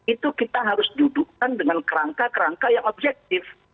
itu kita harus dudukkan dengan kerangka kerangka yang objektif